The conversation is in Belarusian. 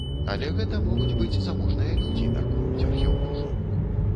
Але гэта могуць быць заможныя людзі, мяркуюць археолагі.